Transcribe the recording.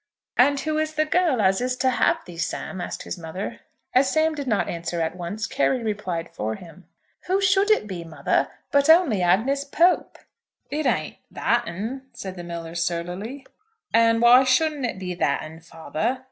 "And who is the girl as is to have thee, Sam?" asked his mother. As Sam did not answer at once, Carry replied for him. "Who should it be, mother; but only Agnes Pope?" "It ain't that 'un?" said the miller, surlily. "And why shouldn't it be that 'un, father?